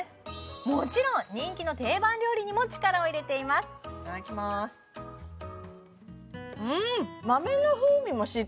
もちろん人気の定番料理にも力を入れていますいただきまーすうん！